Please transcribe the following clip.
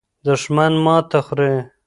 دښمن ماته خوري.